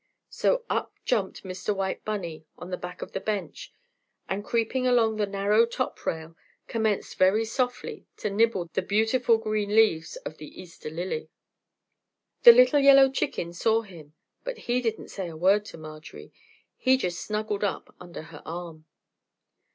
So up jumped Mr. White Bunny on the back of the bench, and creeping along the narrow top rail, commenced very softly to nibble the beautiful green leaves of the Easter Lily. The little yellow chicken saw him, but he didn't say a word to Marjorie; he just snuggled up under her arm.